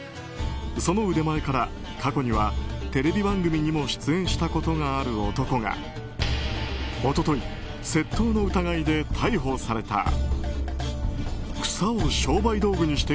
その腕前から、過去にはテレビ番組にも出演したことがある男が一昨日、窃盗の疑いで逮捕された。